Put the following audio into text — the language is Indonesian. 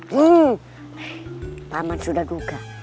hmm paman sudah duga